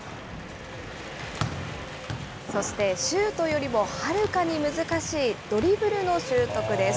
そして、シュートよりもはるかに難しいドリブルの習得です。